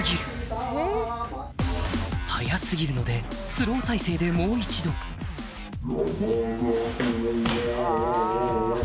速過ぎるのでスロー再生でもう一度山里は。